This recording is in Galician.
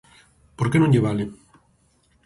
¿Por que non lle vale?